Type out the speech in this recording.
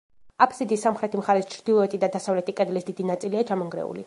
აბსიდის სამხრეთი მხარის, ჩრდილოეთი და დასავლეთი კედლის დიდი ნაწილია ჩამონგრეული.